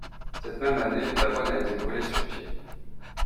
Cette même année, l'avoine a été brûlée sur pied.